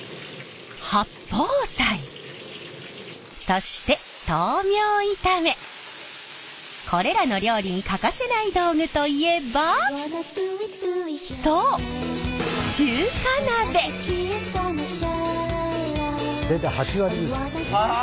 そしてこれらの料理に欠かせない道具といえばそう８割！？